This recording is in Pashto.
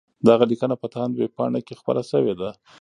دغه لیکنه په تاند ویبپاڼه کي خپره سوې ده.